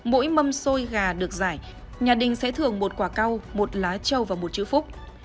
mỗi mâm xôi gà được giải nhà đình sẽ thưởng một quả cao một lá trâu và một chữ phúc